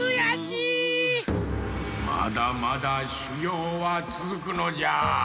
まだまだしゅぎょうはつづくのじゃ。